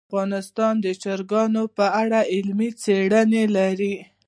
افغانستان د چرګانو په اړه علمي څېړنې لري.